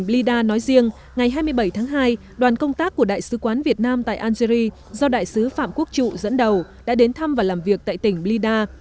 blida nói riêng ngày hai mươi bảy tháng hai đoàn công tác của đại sứ quán việt nam tại algerie do đại sứ phạm quốc trụ dẫn đầu đã đến thăm và làm việc tại tỉnh blida